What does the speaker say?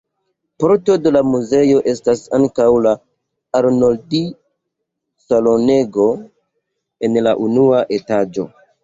Parto de la muzeo estas ankaŭ la Arnoldi-salonego en la unua etaĝo.